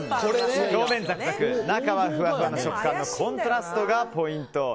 表面ザクザク中はふわふわの食感のコントラストがポイント。